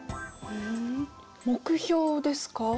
ん目標ですか？